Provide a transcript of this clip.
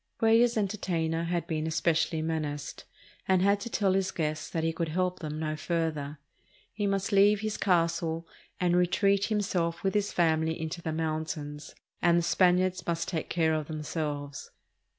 Cuellar's entertainer had been espe cially menaced, and had to tell his guests that he could help them no further. He must leave his castle and re treat himself with his family into the mountains, and the Spaniards must take care of themselves.